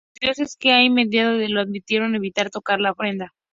Los dioses, que de inmediato lo advirtieron, evitaron tocar la ofrenda.